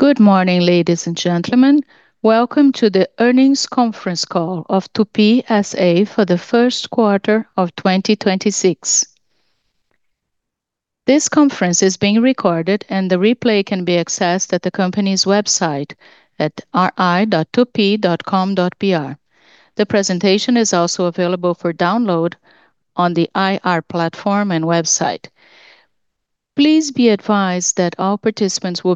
Good morning, ladies and gentlemen. Welcome to the earnings conference call of Tupy S.A. for the first quarter of 2026. This conference is being recorded, and the replay can be accessed at the company's website at ri.tupy.com.br. The presentation is also available for download on the IR platform and website. Please be advised that all participants will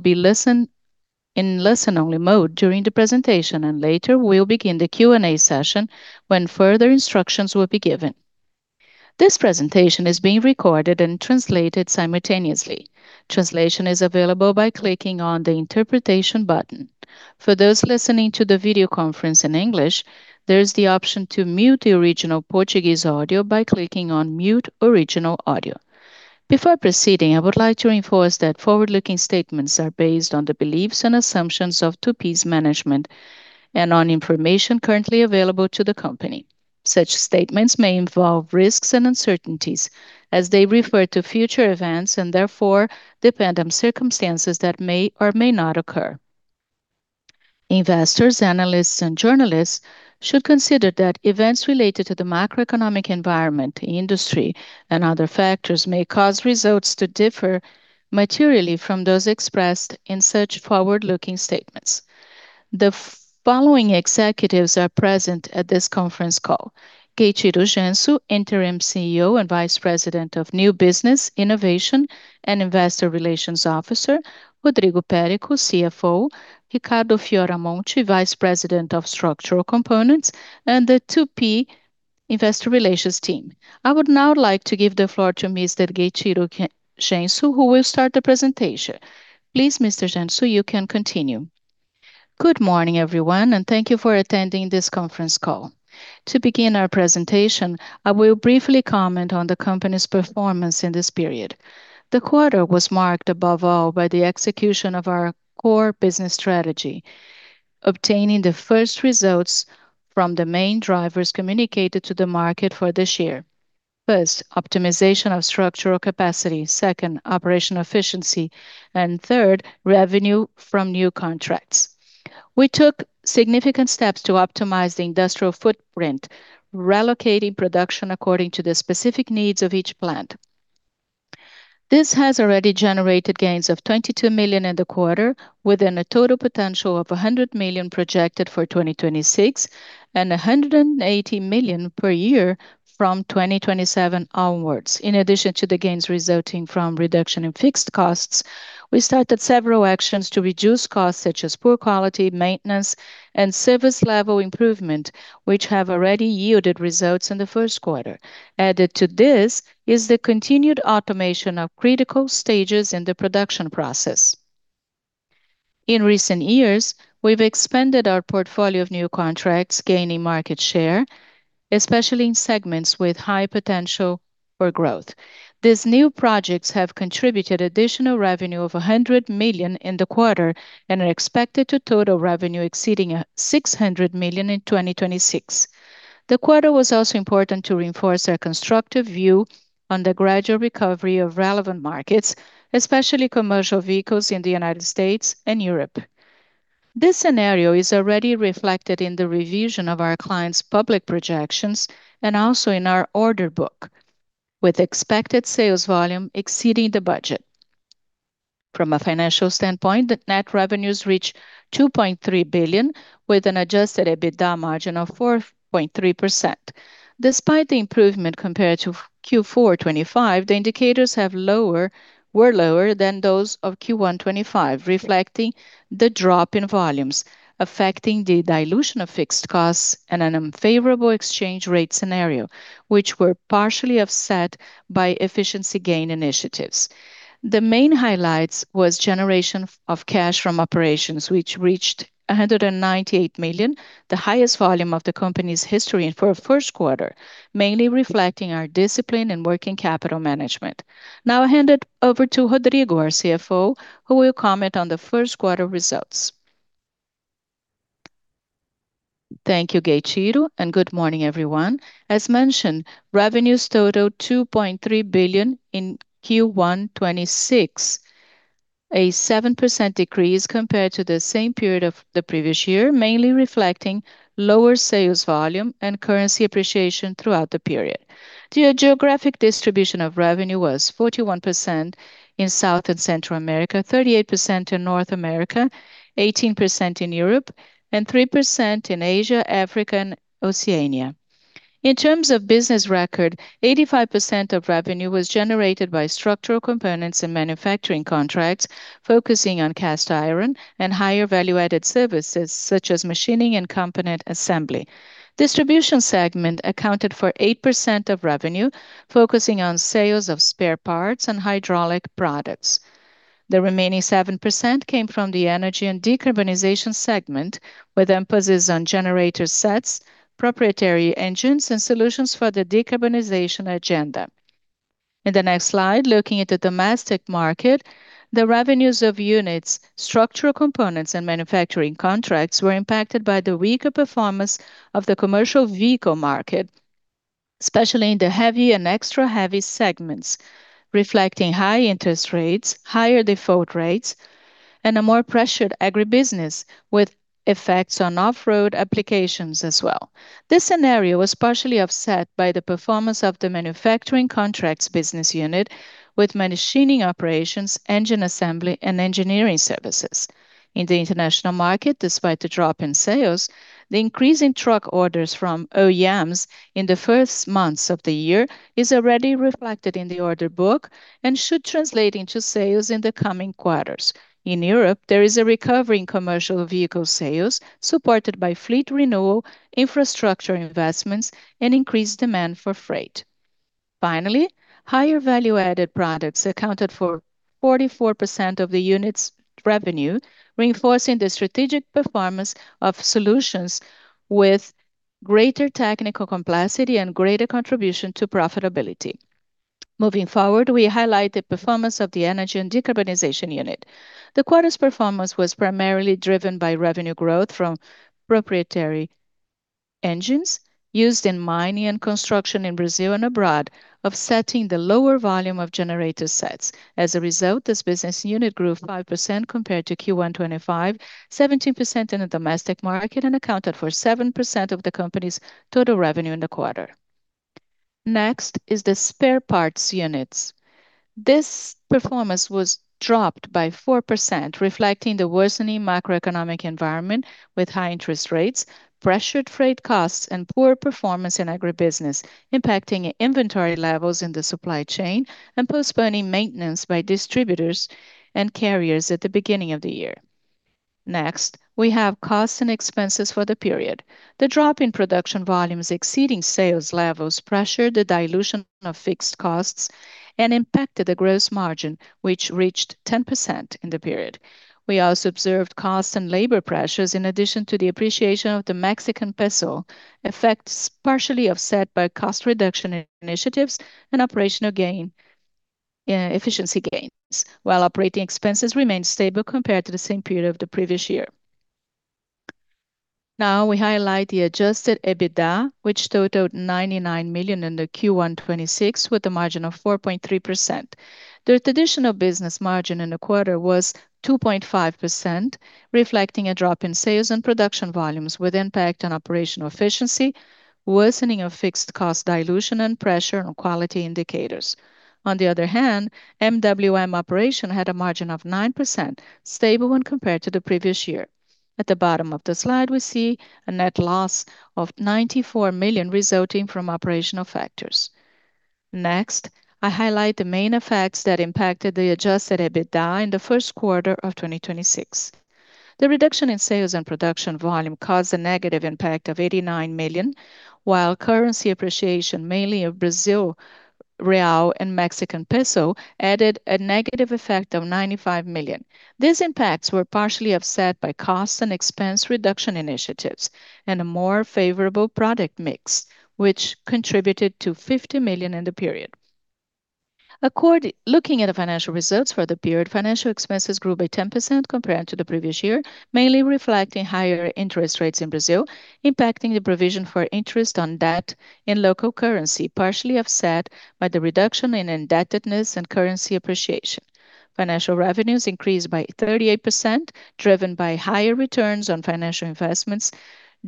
be in listen-only mode during the presentation, and later we'll begin the Q&A session when further instructions will be given. This presentation is being recorded and translated simultaneously. Translation is available by clicking on the Interpretation button. For those listening to the video conference in English, there is the option to mute the original Portuguese audio by clicking on Mute Original Audio. Before proceeding, I would like to reinforce that forward-looking statements are based on the beliefs and assumptions of Tupy's management and on information currently available to the company. Such statements may involve risks and uncertainties as they refer to future events and therefore depend on circumstances that may or may not occur. Investors, analysts, and journalists should consider that events related to the macroeconomic environment, the industry, and other factors may cause results to differ materially from those expressed in such forward-looking statements. The following executives are present at this conference call: Gueitiro Genso, Interim CEO and Vice President of New Business, Innovation, and Investor Relations Officer, Rodrigo Perico, CFO, Ricardo Fioramonte, Vice President of Structural Components, and the Tupy investor relations team. I would now like to give the floor to Mr. Gueitiro Genso, who will start the presentation. Please, Mr. Genso, you can continue. Good morning, everyone, thank you for attending this conference call. To begin our presentation, I will briefly comment on the company's performance in this period. The quarter was marked above all by the execution of our core business strategy, obtaining the first results from the main drivers communicated to the market for this year. First, optimization of structural capacity. Second, operational efficiency. Third, revenue from new contracts. We took significant steps to optimize the industrial footprint, relocating production according to the specific needs of each plant. This has already generated gains of 22 million in the quarter, within a total potential of 100 million projected for 2026 and 180 million per year from 2027 onwards. In addition to the gains resulting from reduction in fixed costs, we started several actions to reduce costs such as poor quality, maintenance, and service level improvement, which have already yielded results in the first quarter. Added to this is the continued automation of critical stages in the production process. In recent years, we've expanded our portfolio of new contracts, gaining market share, especially in segments with high potential for growth. These new projects have contributed additional revenue of 100 million in the quarter and are expected to total revenue exceeding 600 million in 2026. The quarter was also important to reinforce our constructive view on the gradual recovery of relevant markets, especially commercial vehicles in the U.S. and Europe. This scenario is already reflected in the revision of our clients' public projections and also in our order book, with expected sales volume exceeding the budget. From a financial standpoint, the net revenues reached 2.3 billion, with an adjusted EBITDA margin of 4.3%. Despite the improvement compared to Q4 2025, the indicators were lower than those of Q1 2025, reflecting the drop in volumes, affecting the dilution of fixed costs and an unfavorable exchange rate scenario, which were partially offset by efficiency gain initiatives. The main highlights was generation of cash from operations, which reached 198 million, the highest volume of the company's history for a first quarter, mainly reflecting our discipline and working capital management. I hand it over to Rodrigo, our CFO, who will comment on the first quarter results. Thank you, Gueitiro, and good morning, everyone. As mentioned, revenues totaled 2.3 billion in Q1 2026, a 7% decrease compared to the same period of the previous year, mainly reflecting lower sales volume and currency appreciation throughout the period. The geographic distribution of revenue was 41% in South and Central America, 38% in North America, 18% in Europe, and 3% in Asia, Africa, and Oceania. In terms of business record, 85% of revenue was generated by structural components and manufacturing contracts, focusing on cast iron and higher value-added services such as machining and component assembly. Distribution segment accounted for 8% of revenue, focusing on sales of spare parts and hydraulic products. The remaining 7% came from the energy and decarbonization segment, with emphasis on generator sets, proprietary engines, and solutions for the decarbonization agenda. In the next slide, looking at the domestic market, the revenues of units, structural components and manufacturing contracts were impacted by the weaker performance of the commercial vehicle market. Especially in the heavy and extra heavy segments, reflecting high interest rates, higher default rates, and a more pressured agribusiness with effects on off-road applications as well. This scenario was partially offset by the performance of the manufacturing contracts business unit with machining operations, engine assembly and engineering services. In the international market, despite the drop in sales, the increase in truck orders from OEMs in the first months of the year is already reflected in the order book and should translate into sales in the coming quarters. In Europe, there is a recovery in commercial vehicle sales, supported by fleet renewal, infrastructure investments and increased demand for freight. Finally, higher value-added products accounted for 44% of the unit's revenue, reinforcing the strategic performance of solutions with greater technical complexity and greater contribution to profitability. Moving forward, we highlight the performance of the energy and decarbonization unit. The quarter's performance was primarily driven by revenue growth from proprietary engines used in mining and construction in Brazil and abroad, offsetting the lower volume of generator sets. As a result, this business unit grew 5% compared to Q1 2025, 17% in the domestic market and accounted for 7% of the company's total revenue in the quarter. Next is the spare parts units. This performance was dropped by 4%, reflecting the worsening macroeconomic environment with high interest rates, pressured freight costs and poor performance in agribusiness, impacting inventory levels in the supply chain and postponing maintenance by distributors and carriers at the beginning of the year. Next, we have costs and expenses for the period. The drop in production volumes exceeding sales levels pressured the dilution of fixed costs and impacted the gross margin, which reached 10% in the period. We also observed cost and labor pressures in addition to the appreciation of the Mexican peso, effects partially offset by cost reduction initiatives and operational efficiency gains, while operating expenses remained stable compared to the same period of the previous year. We highlight the adjusted EBITDA, which totaled 99 million in the Q1 2026 with a margin of 4.3%. The traditional business margin in the quarter was 2.5%, reflecting a drop in sales and production volumes with impact on operational efficiency, worsening of fixed cost dilution and pressure on quality indicators. On the other hand, MWM operation had a margin of 9%, stable when compared to the previous year. At the bottom of the slide, we see a net loss of 94 million resulting from operational factors. Next, I highlight the main effects that impacted the adjusted EBITDA in the first quarter of 2026. The reduction in sales and production volume caused a negative impact of 89 million, while currency appreciation, mainly of Brazil real and Mexican peso, added a negative effect of 95 million. These impacts were partially offset by cost and expense reduction initiatives and a more favorable product mix, which contributed to 50 million in the period. Looking at the financial results for the period, financial expenses grew by 10% compared to the previous year, mainly reflecting higher interest rates in Brazil, impacting the provision for interest on debt in local currency, partially offset by the reduction in indebtedness and currency appreciation. Financial revenues increased by 38%, driven by higher returns on financial investments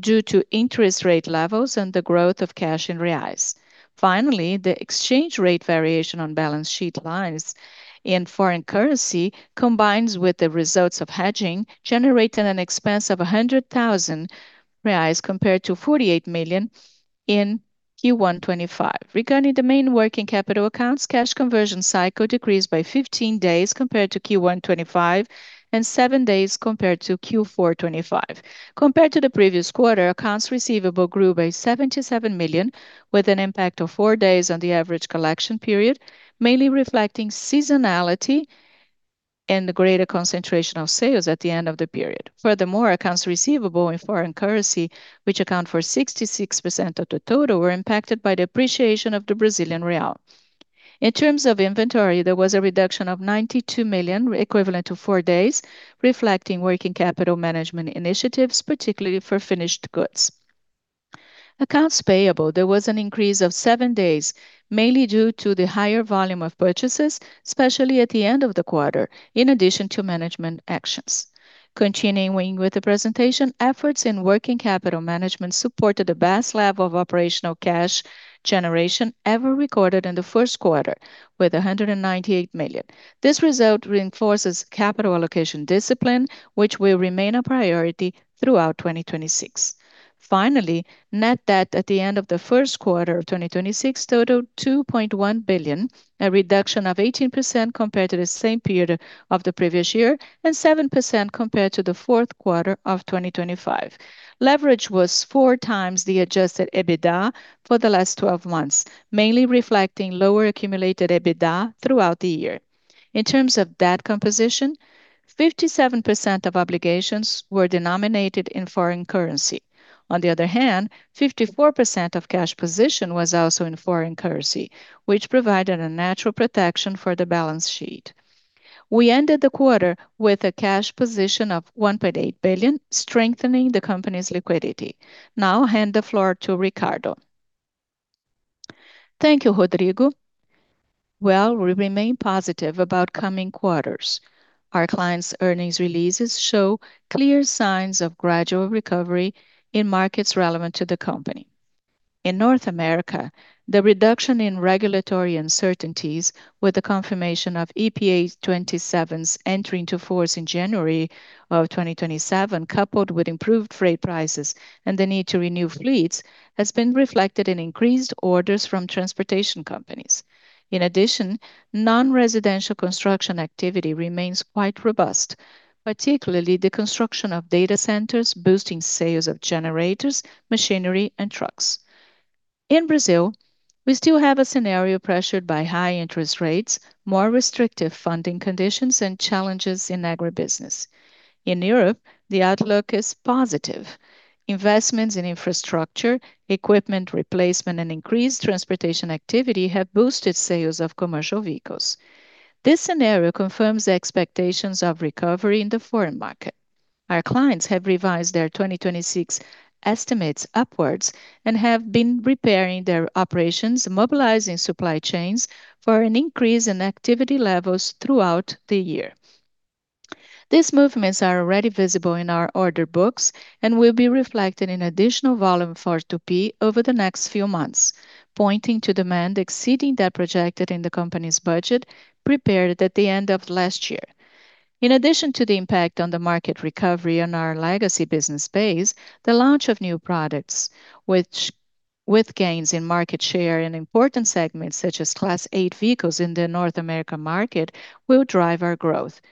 due to interest rate levels and the growth of cash in reais. Finally, the exchange rate variation on balance sheet lies in foreign currency, combines with the results of hedging, generating an expense of 100,000 reais compared to 48 million in Q1 2025. Regarding the main working capital accounts, cash conversion cycle decreased by 15 days compared to Q1 2025 and seven days compared to Q4 2025. Compared to the previous quarter, accounts receivable grew by 77 million, with an impact of four days on the average collection period, mainly reflecting seasonality and the greater concentration of sales at the end of the period. Furthermore, accounts receivable in foreign currency, which account for 66% of the total, were impacted by the appreciation of the Brazilian real. In terms of inventory, there was a reduction of 92 million, equivalent to four days, reflecting working capital management initiatives, particularly for finished goods. Accounts payable, there was an increase of seven days, mainly due to the higher volume of purchases, especially at the end of the quarter, in addition to management actions. Continuing with the presentation, efforts in working capital management supported the best level of operational cash generation ever recorded in the first quarter with 198 million. This result reinforces capital allocation discipline, which will remain a priority throughout 2026. Finally, net debt at the end of Q1 2026 totaled 2.1 billion, a reduction of 18% compared to the same period of the previous year and 7% compared to Q4 2025. Leverage was 4x the adjusted EBITDA for the last 12 months, mainly reflecting lower accumulated EBITDA throughout the year. In terms of debt composition, 57% of obligations were denominated in foreign currency. On the other hand, 54% of cash position was also in foreign currency, which provided a natural protection for the balance sheet. We ended the quarter with a cash position of 1.8 billion, strengthening the company's liquidity. Now I'll hand the floor to Ricardo. Thank you, Rodrigo. Well, we remain positive about coming quarters. Our clients' earnings releases show clear signs of gradual recovery in markets relevant to the company. In North America, the reduction in regulatory uncertainties with the confirmation of EPA 27's entering to force in January of 2027, coupled with improved freight prices and the need to renew fleets, has been reflected in increased orders from transportation companies. In addition, non-residential construction activity remains quite robust, particularly the construction of data centers, boosting sales of generators, machinery and trucks. In Brazil, we still have a scenario pressured by high interest rates, more restrictive funding conditions and challenges in agribusiness. In Europe, the outlook is positive. Investments in infrastructure, equipment replacement and increased transportation activity have boosted sales of commercial vehicles. This scenario confirms the expectations of recovery in the foreign market. Our clients have revised their 2026 estimates upwards and have been preparing their operations, mobilizing supply chains for an increase in activity levels throughout the year. These movements are already visible in our order books and will be reflected in additional volume for Tupy over the next few months, pointing to demand exceeding that projected in the company's budget prepared at the end of last year. In addition to the impact on the market recovery on our legacy business base, the launch of new products which, with gains in market share in important segments such as Class 8 vehicles in the North America market, will drive our growth.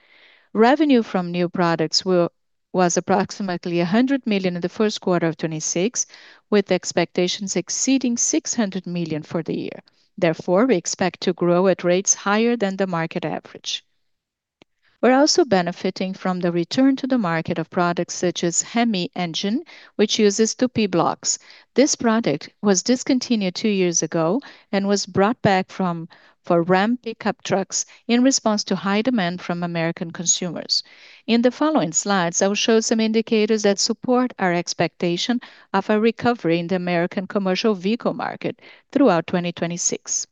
Revenue from new products was approximately 100 million in the first quarter of 2026, with expectations exceeding 600 million for the year. We expect to grow at rates higher than the market average. We're also benefiting from the return to the market of products such as HEMI engine, which uses Tupy blocks. This product was discontinued two years ago and was brought back for Ram pickup trucks in response to high demand from American consumers. In the following slides, I will show some indicators that support our expectation of a recovery in the American commercial vehicle market throughout 2026.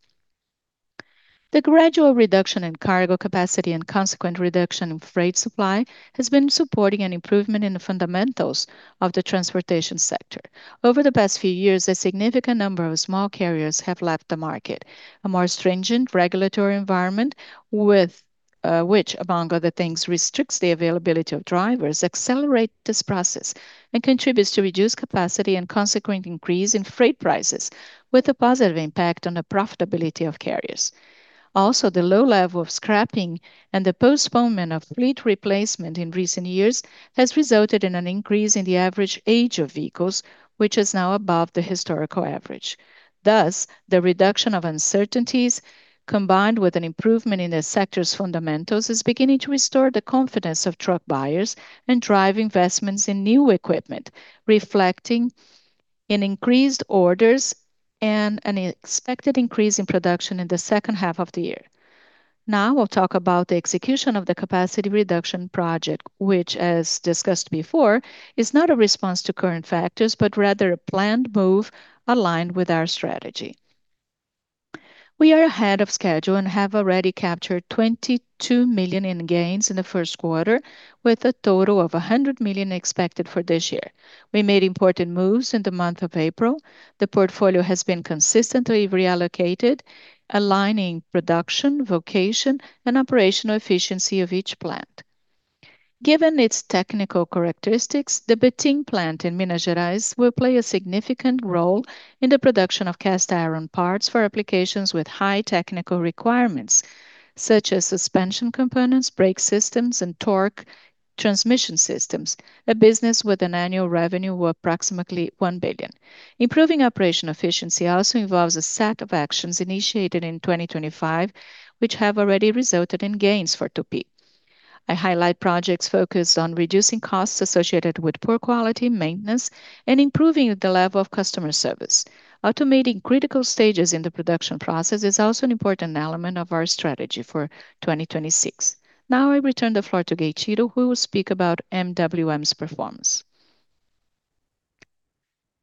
The gradual reduction in cargo capacity and consequent reduction in freight supply has been supporting an improvement in the fundamentals of the transportation sector. Over the past few years, a significant number of small carriers have left the market. A more stringent regulatory environment with which, among other things, restricts the availability of drivers, accelerate this process and contributes to reduced capacity and consequent increase in freight prices, with a positive impact on the profitability of carriers. The low level of scrapping and the postponement of fleet replacement in recent years has resulted in an increase in the average age of vehicles, which is now above the historical average. The reduction of uncertainties, combined with an improvement in the sector's fundamentals, is beginning to restore the confidence of truck buyers and drive investments in new equipment, reflecting in increased orders and an expected increase in production in the second half of the year. We'll talk about the execution of the capacity reduction project, which, as discussed before, is not a response to current factors, but rather a planned move aligned with our strategy. We are ahead of schedule and have already captured 22 million in gains in the first quarter, with a total of 100 million expected for this year. We made important moves in the month of April. The portfolio has been consistently reallocated, aligning production, vocation and operational efficiency of each plant. Given its technical characteristics, the Betim plant in Minas Gerais will play a significant role in the production of cast iron parts for applications with high technical requirements, such as suspension components, brake systems and torque transmission systems, a business with an annual revenue of approximately 1 billion. Improving operation efficiency also involves a set of actions initiated in 2025, which have already resulted in gains for Tupy. I highlight projects focused on reducing costs associated with poor quality maintenance and improving the level of customer service. Automating critical stages in the production process is also an important element of our strategy for 2026. Now I return the floor to Gueitiro, who will speak about MWM's performance.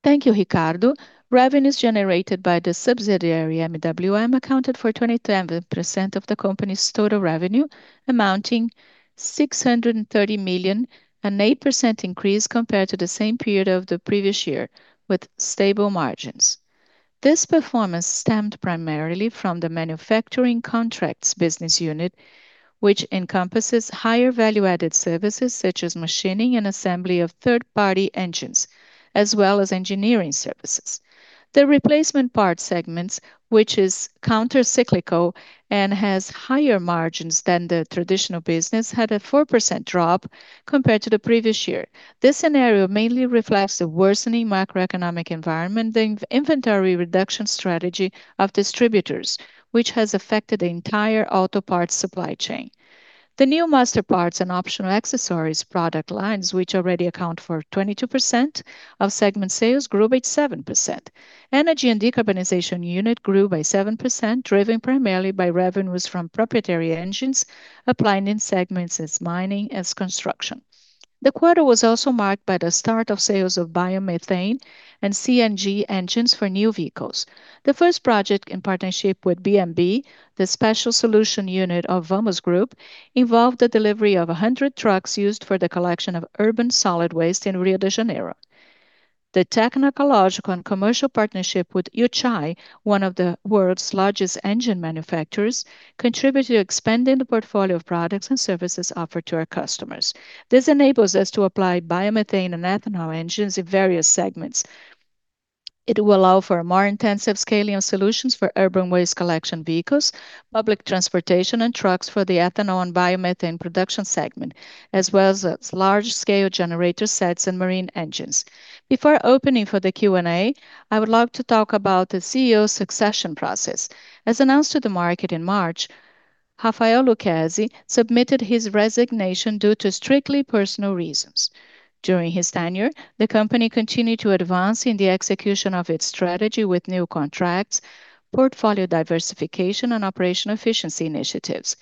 Thank you, Ricardo. Revenues generated by the subsidiary MWM accounted for 27% of the company's total revenue, amounting 630 million, an 8% increase compared to the same period of the previous year, with stable margins. This performance stemmed primarily from the manufacturing contracts business unit, which encompasses higher value-added services such as machining and assembly of third-party engines, as well as engineering services. The replacement parts segments, which is counter-cyclical and has higher margins than the traditional business, had a 4% drop compared to the previous year. This scenario mainly reflects the worsening macroeconomic environment and the inventory reduction strategy of distributors, which has affected the entire auto parts supply chain. The new Master Parts and optional accessories product lines, which already account for 22% of segment sales, grew by 7%. Energy and decarbonization unit grew by 7%, driven primarily by revenues from proprietary engines applied in segments as mining, as construction. The quarter was also marked by the start of sales of biomethane and CNG engines for new vehicles. The first project in partnership with BMB, the special solution unit of Vamos Group, involved the delivery of 100 trucks used for the collection of urban solid waste in Rio de Janeiro. The technological and commercial partnership with Yuchai, one of the world's largest engine manufacturers, contribute to expanding the portfolio of products and services offered to our customers. This enables us to apply biomethane and ethanol engines in various segments. It will allow for a more intensive scaling of solutions for urban waste collection vehicles, public transportation, and trucks for the ethanol and biomethane production segment, as well as its large-scale generator sets and marine engines. Before opening for the Q&A, I would like to talk about the CEO succession process. As announced to the market in March, Rafael Lucchesi submitted his resignation due to strictly personal reasons. During his tenure, the company continued to advance in the execution of its strategy with new contracts, portfolio diversification, and operational efficiency initiatives.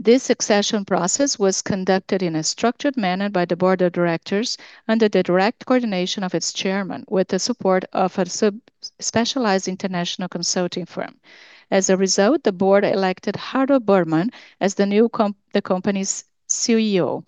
This succession process was conducted in a structured manner by the Board of Directors under the direct coordination of its chairman, with the support of a sub-specialized international consulting firm. As a result, the Board elected Harro Burmann as the company's CEO,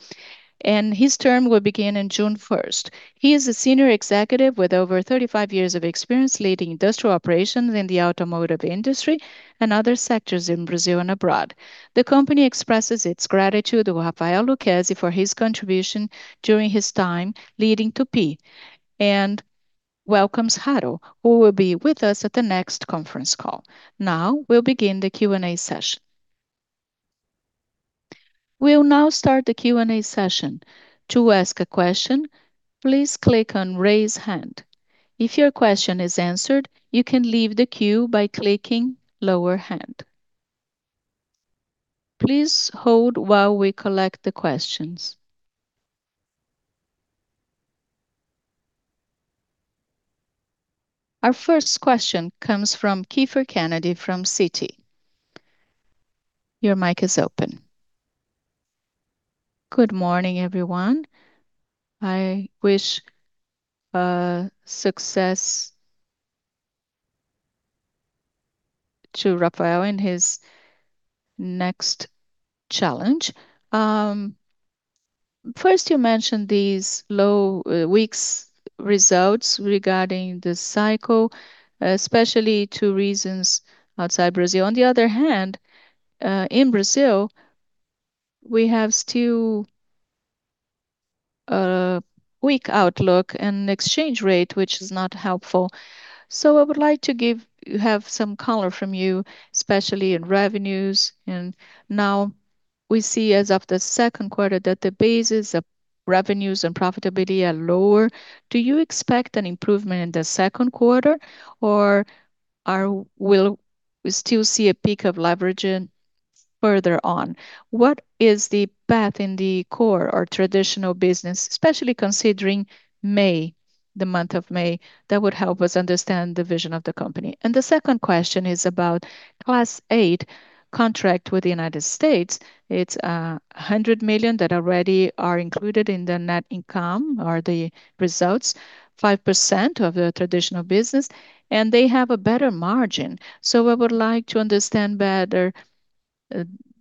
and his term will begin in June 1st. He is a senior executive with over 35 years of experience leading industrial operations in the automotive industry and other sectors in Brazil and abroad. The company expresses its gratitude to Rafael Lucchesi for his contribution during his time leading Tupy and welcomes Harro, who will be with us at the next conference call. Now we'll begin the Q&A session. We'll now start the Q&A session. To ask a question, please click on Raise Hand. If your question is answered, you can leave the queue by clicking Lower Hand. Please hold while we collect the questions. Our first question comes from Kiepher Kennedy from Citi. Your mic is open. Good morning, everyone. I wish success to Rafael in his next challenge. First, you mentioned these low, weak results regarding the cycle, especially two reasons outside Brazil. On the other hand, in Brazil, we have still a weak outlook and exchange rate, which is not helpful. I would like to have some color from you, especially in revenues. Now we see as of the second quarter that the basis of revenues and profitability are lower. Do you expect an improvement in the second quarter, or will we still see a peak of leverage further on? What is the path in the core or traditional business, especially considering May, the month of May, that would help us understand the vision of the company? The second question is about Class 8 contract with the U.S. It's 100 million that already are included in the net income or the results, 5% of the traditional business, and they have a better margin. I would like to understand better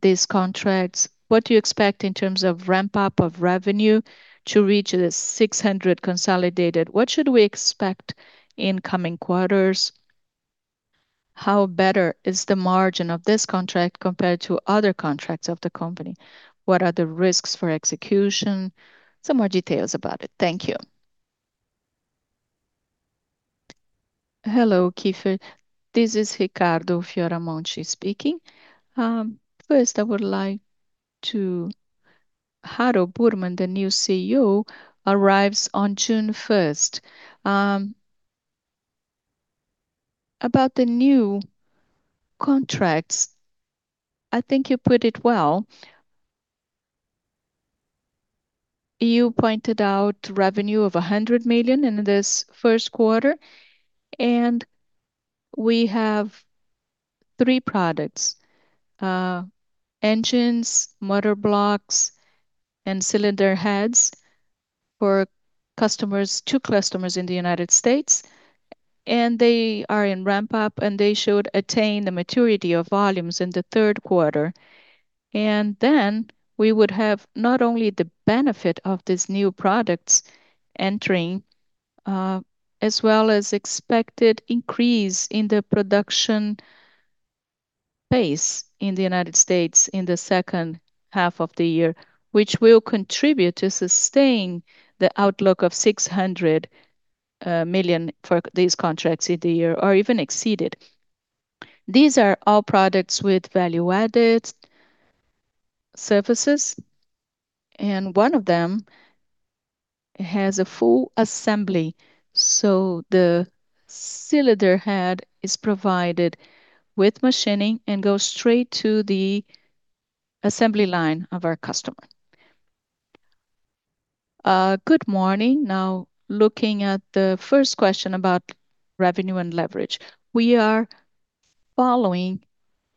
these contracts. What do you expect in terms of ramp-up of revenue to reach the 600 million consolidated? What should we expect in coming quarters? How better is the margin of this contract compared to other contracts of the company? What are the risks for execution? Some more details about it. Thank you. Hello, Kiepher. This is Ricardo Fioramonte speaking. First I would like to-- Harro Burmann, the new CEO, arrives on June 1st. About the new contracts, I think you put it well. You pointed out revenue of 100 million in this first quarter, and we have three products: engines, motor blocks, and cylinder heads for customers, two customers in the U.S. They are in ramp-up, and they should attain the maturity of volumes in the third quarter. We would have not only the benefit of these new products entering, as well as expected increase in the production base in the United States in the second half of the year, which will contribute to sustaining the outlook of 600 million for these contracts in the year or even exceed it. These are all products with value-added services, and one of them has a full assembly, so the cylinder head is provided with machining and goes straight to the assembly line of our customer. Good morning. Looking at the first question about revenue and leverage. We are following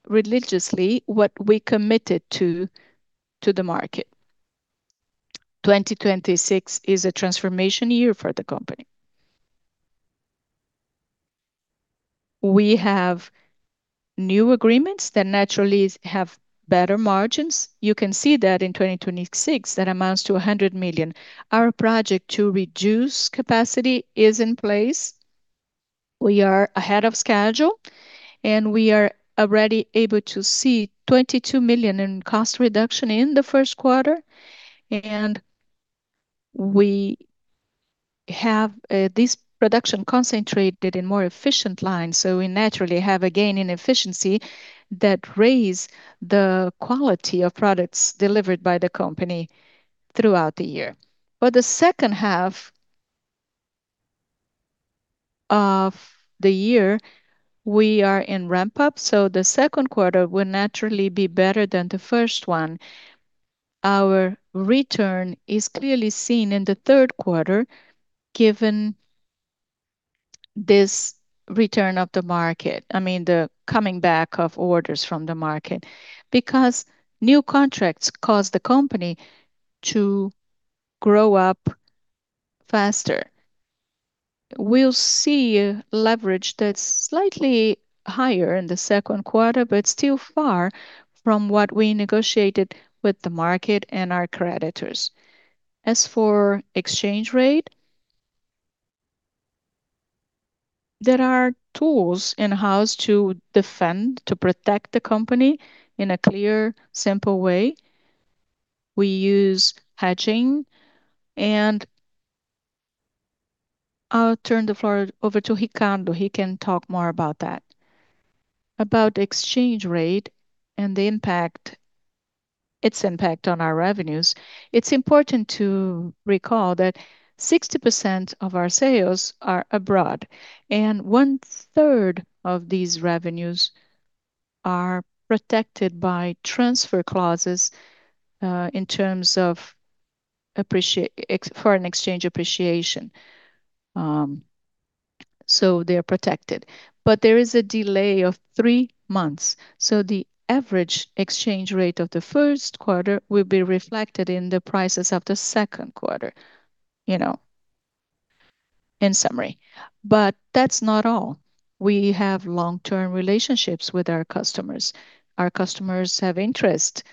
religiously what we committed to the market. 2026 is a transformation year for the company. We have new agreements that naturally have better margins. You can see that in 2026, that amounts to 100 million. Our project to reduce capacity is in place. We are ahead of schedule, we are already able to see 22 million in cost reduction in Q1. We have this production concentrated in more efficient lines, we naturally have a gain in efficiency that raise the quality of products delivered by the company throughout the year. For the second half of the year, we are in ramp-up, the Q2 will naturally be better than the Q1. Our return is clearly seen in Q3, given this return of the market. I mean, the coming back of orders from the market. New contracts cause the company to grow up faster. We'll see leverage that's slightly higher in Q2, still far from what we negotiated with the market and our creditors. As for exchange rate, there are tools in-house to defend, to protect the company in a clear, simple way. We use hedging and I'll turn the floor over to Ricardo. He can talk more about that. About exchange rate and its impact on our revenues, it's important to recall that 60% of our sales are abroad. One-third of these revenues are protected by transfer clauses in terms of foreign exchange appreciation. They're protected. There is a delay of three months, so the average exchange rate of Q1 will be reflected in the prices of Q2, you know, in summary. That's not all. We have long-term relationships with our customers. Our customers are interested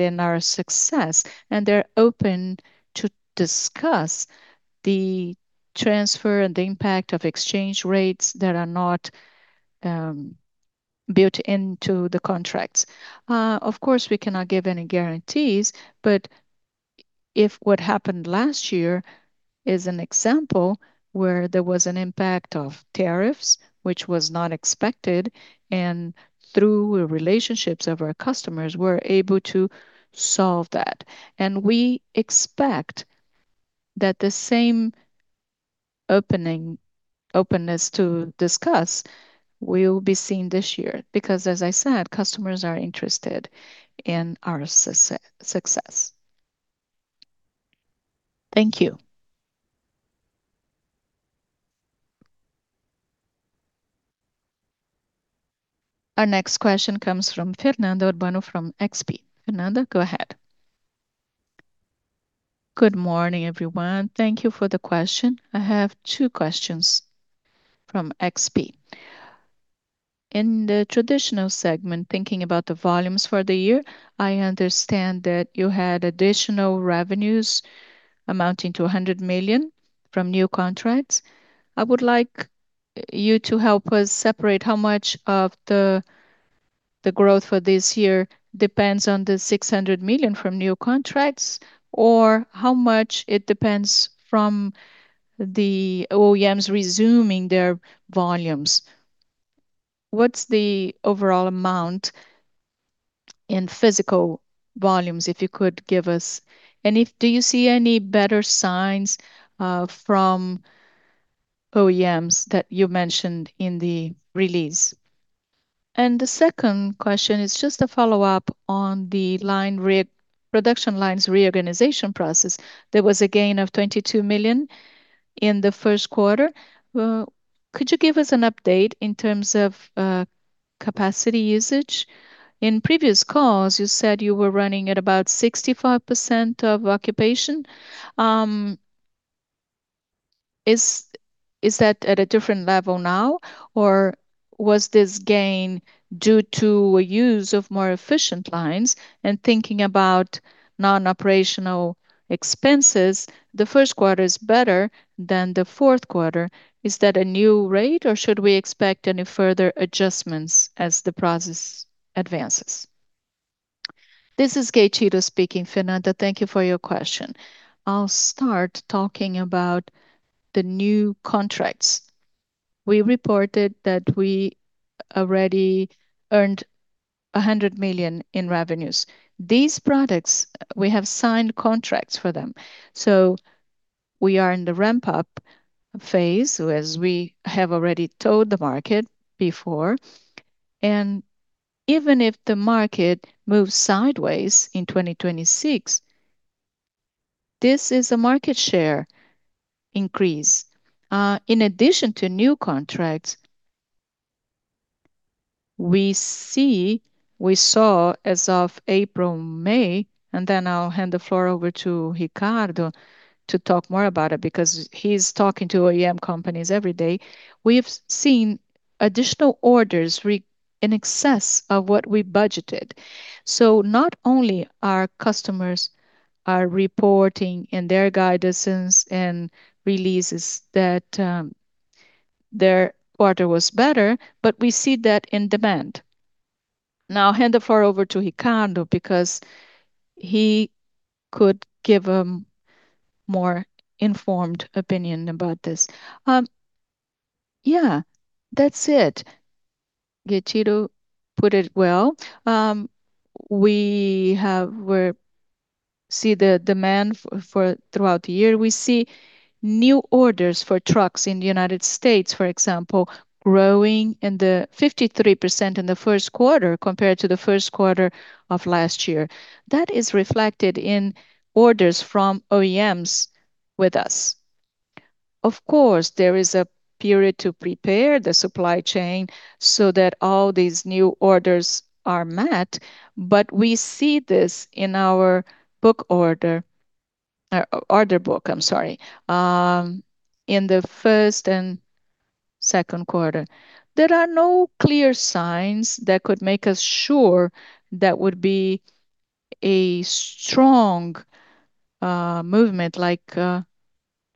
in our success, and they're open to discuss the transfer and the impact of exchange rates that are not built into the contracts. Of course, we cannot give any guarantees, but if what happened last year is an example where there was an impact of tariffs, which was not expected, and through the relationships of our customers, we're able to solve that. We expect that the same openness to discuss will be seen this year. Because as I said, customers are interested in our success. Thank you. Our next question comes from Fernanda Urbano from XP. Fernanda, go ahead. Good morning, everyone. Thank you for the question. I have two questions from XP. In the traditional segment, thinking about the volumes for the year, I understand that you had additional revenues amounting to 100 million from new contracts. I would like you to help us separate how much of the growth for this year depends on the 600 million from new contracts, or how much it depends from the OEMs resuming their volumes. What's the overall amount in physical volumes, if you could give us? If do you see any better signs from OEMs that you mentioned in the release? The second question is just a follow-up on the line re- production lines reorganization process. There was a gain of 22 million in the first quarter. Could you give us an update in terms of capacity usage? In previous calls, you said you were running at about 65% of occupation. Is that at a different level now, or was this gain due to a use of more efficient lines? Thinking about non-operational expenses, the first quarter is better than the fourth quarter. Is that a new rate, or should we expect any further adjustments as the process advances? This is Gueitiro speaking. Fernanda, thank you for your question. I'll start talking about the new contracts. We reported that we already earned 100 million in revenues. These products, we have signed contracts for them. We are in the ramp-up phase, as we have already told the market before. Even if the market moves sideways in 2026. This is a market share increase. In addition to new contracts, we see, we saw as of April, May, then I'll hand the floor over to Ricardo to talk more about it because he's talking to OEM companies every day. We've seen additional orders in excess of what we budgeted. Not only are customers are reporting in their guidances and releases that their order was better, we see that in demand. Now I'll hand the floor over to Ricardo because he could give a more informed opinion about this. Yeah. That's it. Gueitiro put it well. We see the demand for throughout the year. We see new orders for trucks in the U.S., for example, growing in the 53% in the first quarter compared to the first quarter of last year. That is reflected in orders from OEMs with us. Of course, there is a period to prepare the supply chain so that all these new orders are met, we see this in our book order. Our order book, I'm sorry, in the first and second quarter. There are no clear signs that could make us sure that would be a strong movement like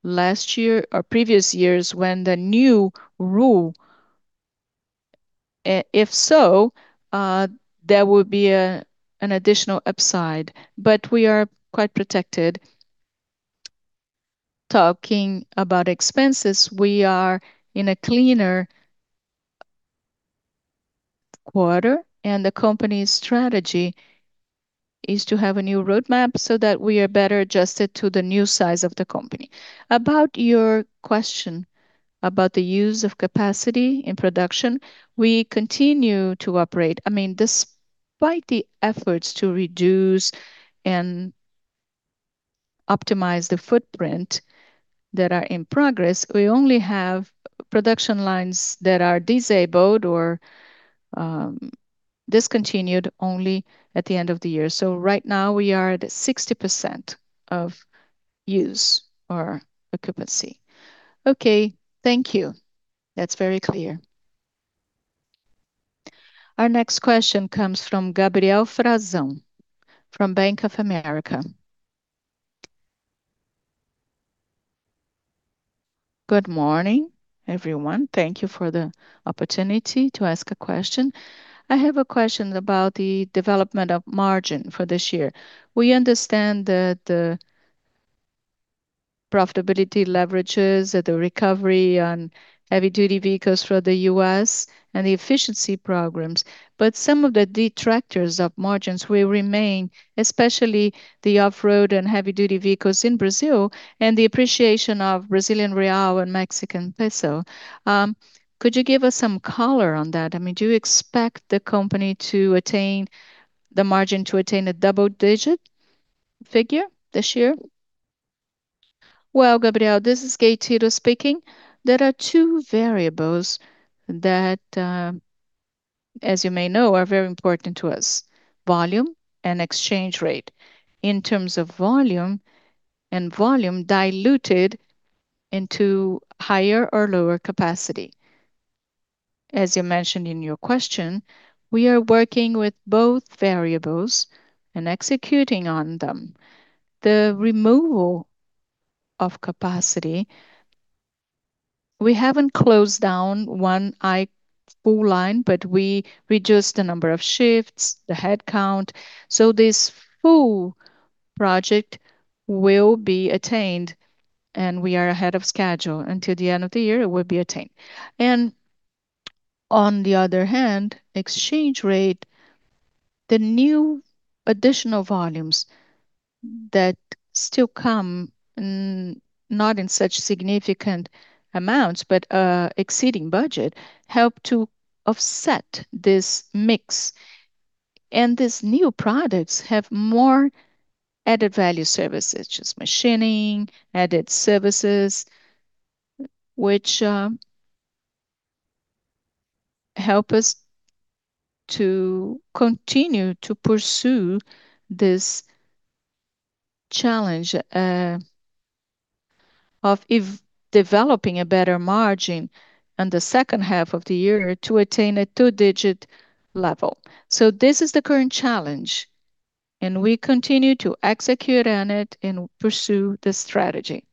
last year or previous years when the new rule. If so, there would be an additional upside. We are quite protected. Talking about expenses, we are in a cleaner quarter, and the company's strategy is to have a new roadmap so that we are better adjusted to the new size of the company. About your question about the use of capacity in production, we continue to operate. I mean, despite the efforts to reduce and optimize the footprint that are in progress, we only have production lines that are disabled or discontinued only at the end of the year. Right now we are at 60% of use or occupancy. Okay. Thank you. That's very clear. Our next question comes from Gabriel Frazao from Bank of America. Good morning, everyone. Thank you for the opportunity to ask a question. I have a question about the development of margin for this year. We understand that the profitability leverages the recovery on heavy duty vehicles for the U.S. and the efficiency programs. Some of the detractors of margins will remain, especially the off-road and heavy duty vehicles in Brazil, and the appreciation of Brazilian real and Mexican peso. Could you give us some color on that? I mean, do you expect the company to attain the margin to attain a double-digit figure this year? Well, Gabriel, this is Gueitiro speaking. There are two variables that, as you may know, are very important to us. Volume and exchange rate. In terms of volume diluted into higher or lower capacity. As you mentioned in your question, we are working with both variables and executing on them. The removal of capacity, we haven't closed down one full line, but we reduced the number of shifts, the headcount. This full project will be attained, and we are ahead of schedule. Until the end of the year it will be attained. On the other hand, exchange rate, the new additional volumes that still come, not in such significant amounts, but exceeding budget, help to offset this mix. These new products have more added value services, such as machining, added services, which help us to continue to pursue this challenge of developing a better margin in the second half of the year to attain a two-digit level. This is the current challenge, and we continue to execute on it and pursue the strategy.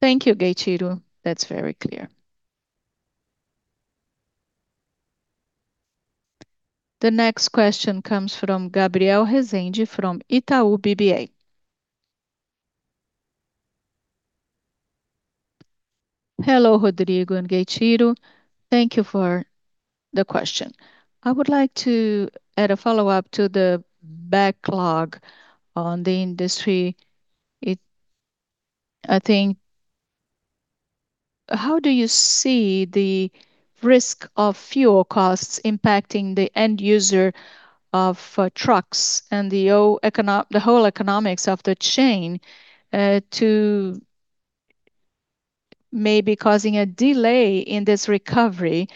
Thank you, Gueitiro. That's very clear. The next question comes from Gabriel Rezende from Itaú BBA. Hello, Rodrigo and Gueitiro. Thank you for the question. I would like to add a follow-up to the backlog on the industry. How do you see the risk of fuel costs impacting the end user of trucks and the whole economics of the chain to maybe causing a delay in this recovery?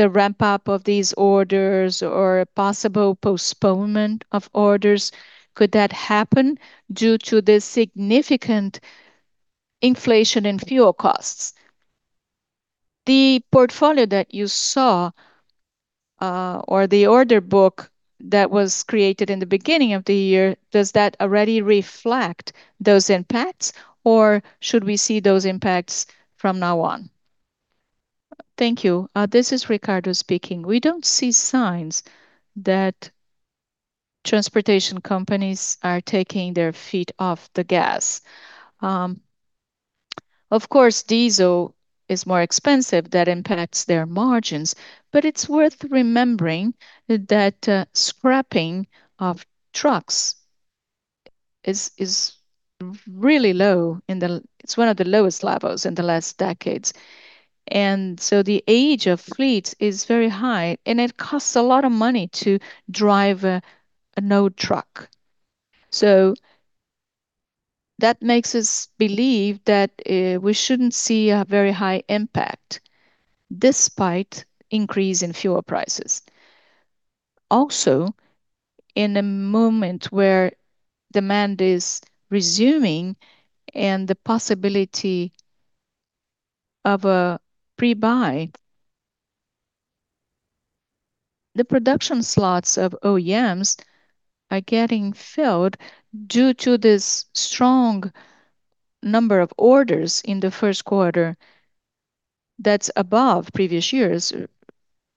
The ramp up of these orders or possible postponement of orders, could that happen due to the significant inflation in fuel costs? The portfolio that you saw or the order book that was created in the beginning of the year, does that already reflect those impacts, or should we see those impacts from now on? Thank you. This is Ricardo speaking. We don't see signs that transportation companies are taking their feet off the gas. Of course, diesel is more expensive. That impacts their margins. It's worth remembering that scrapping of trucks is one of the lowest levels in the last decades. The age of fleets is very high, and it costs a lot of money to drive a old truck. That makes us believe that we shouldn't see a very high impact despite increase in fuel prices. Also, in a moment where demand is resuming and the possibility of a pre-buy, the production slots of OEMs are getting filled due to this strong number of orders in the first quarter that's above previous years,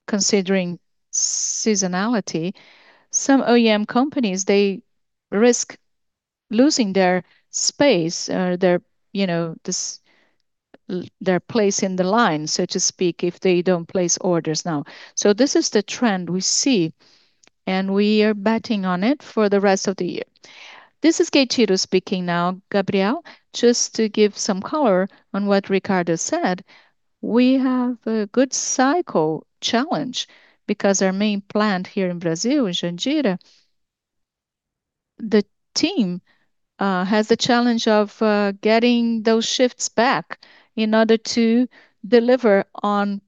considering seasonality. Some OEM companies, they risk losing their space, their, you know, their place in the line, so to speak, if they don't place orders now. This is the trend we see, and we are betting on it for the rest of the year. This is Gueitiro speaking now, Gabriel. Just to give some color on what Ricardo said, we have a good cycle challenge because our main plant here in Brazil, in Joinville, the team has the challenge of getting those shifts back in order to deliver on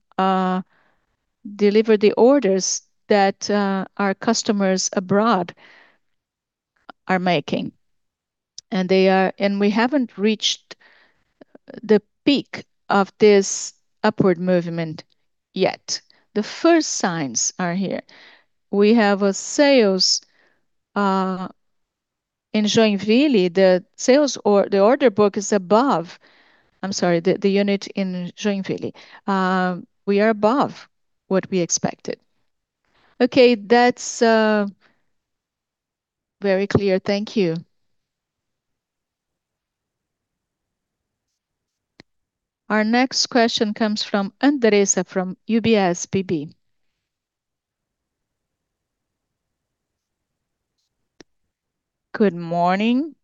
deliver the orders that our customers abroad are making. And we haven't reached the peak of this upward movement yet. The first signs are here. We have a sales in Joinville. The sales or the order book is above I'm sorry. The unit in Joinville. We are above what we expected. Okay. That's very clear. Thank you. Our next question comes from Andressa from UBS BB. Good morning.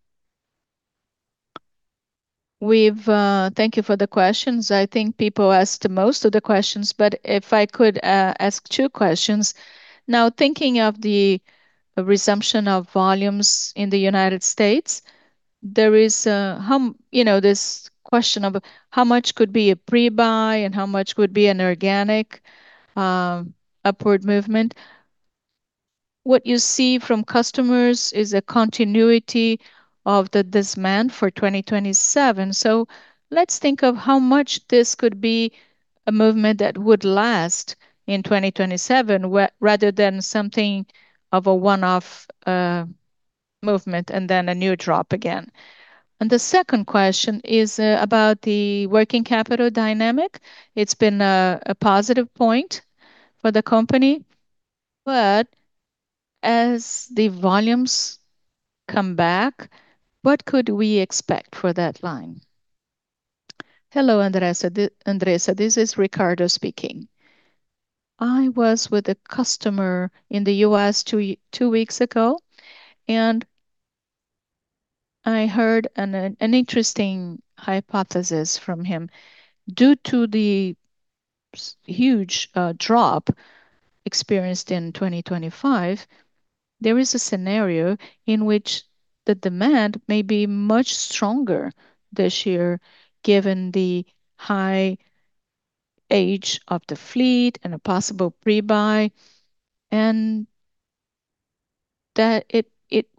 We've Thank you for the questions. I think people asked most of the questions, if I could ask two questions. Now, thinking of the resumption of volumes in the United States, there is you know, this question of how much could be a pre-buy and how much could be an organic upward movement. What you see from customers is a continuity of the demand for 2027. Let's think of how much this could be a movement that would last in 2027 rather than something of a one-off movement and then a new drop again. The second question is about the working capital dynamic. It's been a positive point for the company. As the volumes come back, what could we expect for that line? Hello, Andressa. Andressa, this is Ricardo speaking. I was with a customer in the U.S. two weeks ago, and I heard an interesting hypothesis from him. Due to the huge drop experienced in 2025, there is a scenario in which the demand may be much stronger this year given the high age of the fleet and a possible pre-buy, and that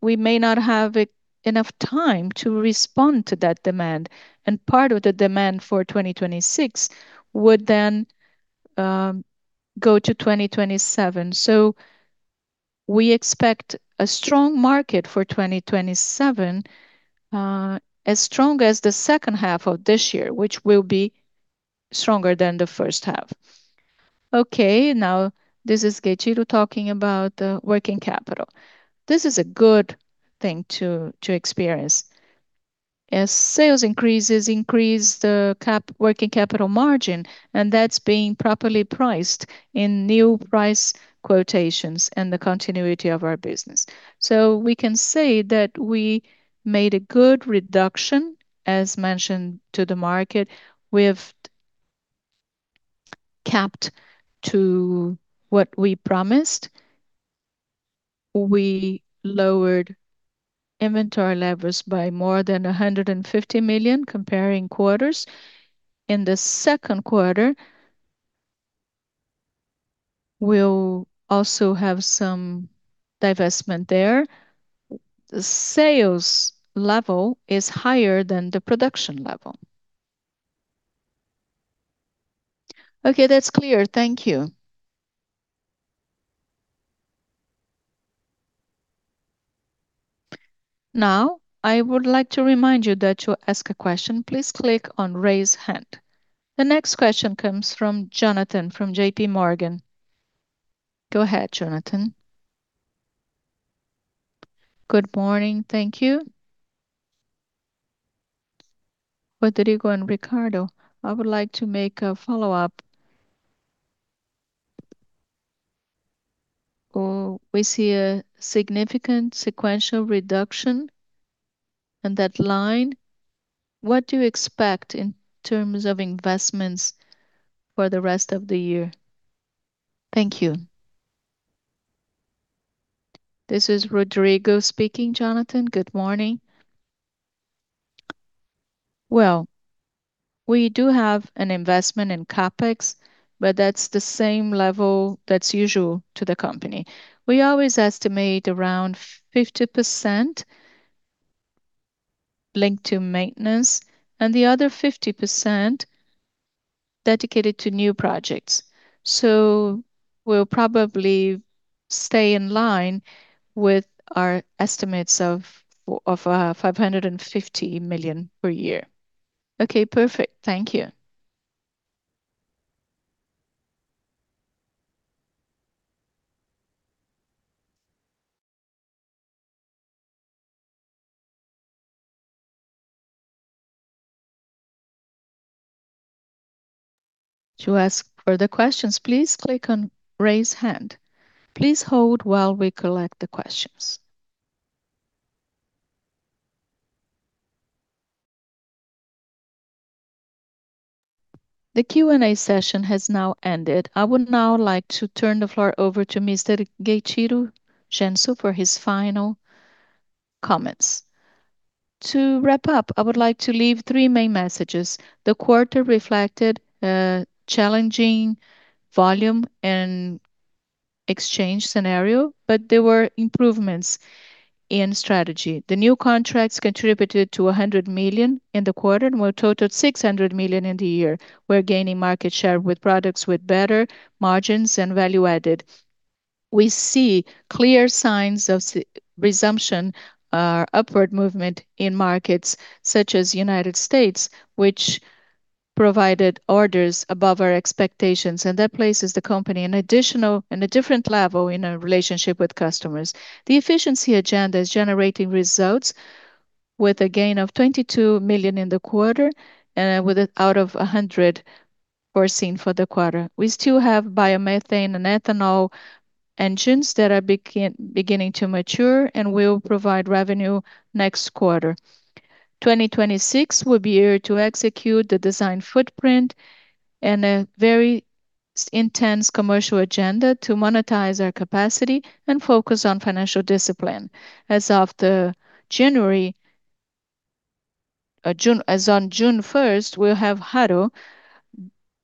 we may not have enough time to respond to that demand. Part of the demand for 2026 would then go to 2027. We expect a strong market for 2027, as strong as the second half of this year, which will be stronger than the first half. Okay. This is Gueitiro talking about the working capital. This is a good thing to experience. As sales increases, increase the working capital margin, and that's being properly priced in new price quotations and the continuity of our business. We can say that we made a good reduction, as mentioned to the market, Capped to what we promised. We lowered inventory levers by more than 150 million comparing quarters. In the second quarter, we'll also have some divestment there. The sales level is higher than the production level. Okay, that's clear. Thank you. I would like to remind you that to ask a question, please click on Raise Hand. The next question comes from Jonathan from JPMorgan. Go ahead, Jonathan. Good morning. Thank you. Rodrigo and Ricardo, I would like to make a follow-up. We see a significant sequential reduction in that line. What do you expect in terms of investments for the rest of the year? Thank you. This is Rodrigo speaking, Jonathan. Good morning. Well, we do have an investment in CapEx, but that's the same level that's usual to the company. We always estimate around 50% linked to maintenance, and the other 50% dedicated to new projects. We'll probably stay in line with our estimates of 550 million per year. Okay, perfect. Thank you. To ask a question please click on Raise Hand, please hold while we collect the questions. The Q&A session has now ended. I would now like to turn the floor over to Mr. Gueitiro Genso for his final comments. To wrap up, I would like to leave three main messages. The quarter reflected a challenging volume and exchange scenario, but there were improvements in strategy. The new contracts contributed to 100 million in the quarter and will total 600 million in the year. We're gaining market share with products with better margins and value added. We see clear signs of resumption, upward movement in markets such as the U.S., which provided orders above our expectations, and that places the company in a different level in our relationship with customers. The efficiency agenda is generating results with a gain of 22 million in the quarter, with it out of 100 foreseen for the quarter. We still have biomethane and ethanol engines that are beginning to mature and will provide revenue next quarter. 2026 will be a year to execute the design footprint and a very intense commercial agenda to monetize our capacity and focus on financial discipline. As on June first, we'll have Harro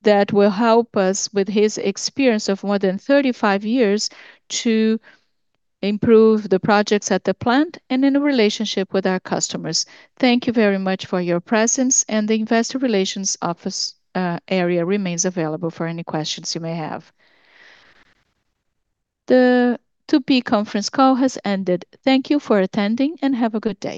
that will help us with his experience of more than 35 years to improve the projects at the plant and in a relationship with our customers. Thank you very much for your presence. The investor relations office area remains available for any questions you may have. The Tupy conference call has ended. Thank you for attending. Have a good day.